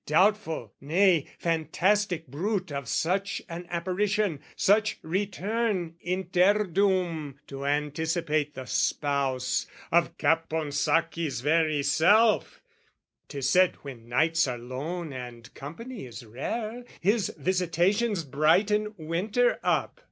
doubtful, nay, fantastic bruit Of such an apparition, such return Interdum, to anticipate the spouse, Of Caponsacchi's very self! 'Tis said When nights are lone and company is rare, His visitations brighten winter up.